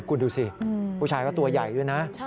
คุณดูสิผู้ชายก็ตัวใหญ่ด้วยนะ